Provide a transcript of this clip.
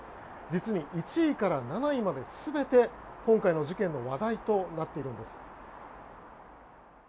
実に１位から７位まで全て今回の事件の話題となっているんです。